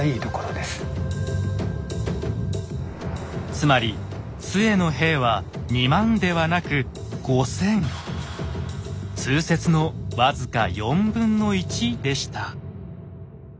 つまり陶の兵は２万ではなく通説の僅か４分の１でした。